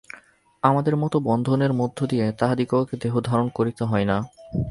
আমাদের মত বন্ধনের মধ্য দিয়া তাঁহাদিগকে দেহ ধারণ করিতে হয় না।